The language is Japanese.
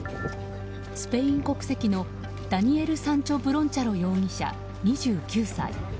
スペイン国籍のダニエル・サンチョ・ブロンチャロ容疑者、２９歳。